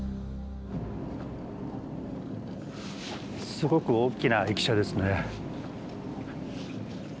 すごく大きな駅舎ですね。